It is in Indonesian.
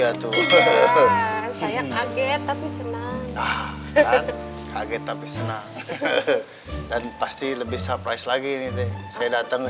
jatuh saya kaget tapi senang kaget tapi senang dan pasti lebih surprise lagi ini saya datang ke